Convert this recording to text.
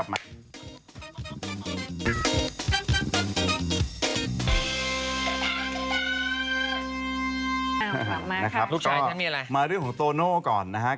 มาครับลูกค้ามาเรื่องของโตโน่ก่อนนะครับ